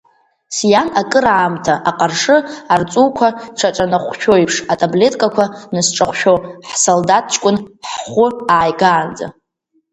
Сиан акыр аамҭа аҟаршы арҵуқәа шаҿанаҟәшәоиԥш атаблеткақәа нысҿаҟәшәо, ҳсолдаҭ ҷкәын ҳхәы ааигаанӡа.